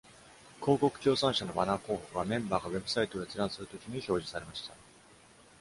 広告協賛社のバナー広告は、メンバーがウェブサイトを閲覧するときに表示されました。